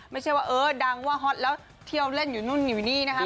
ไม่ใช่ว่าเออดังว่าฮอตแล้วเที่ยวเล่นอยู่นู่นอยู่นี่นะคะ